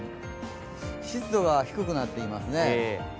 湿度が低くなっていますね。